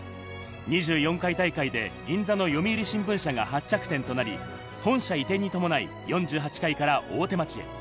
２４回大会で銀座の読売新聞社が発着点となり、本社移転に伴い４８回から大手町へ。